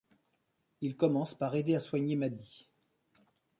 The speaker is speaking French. Il commence par aider à soigner Maddie.